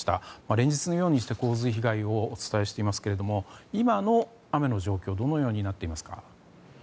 連日のように洪水被害をお伝えしていますが今の雨の状況はどのようになっていますか。